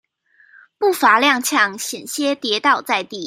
步伐踉蹌險些跌倒在地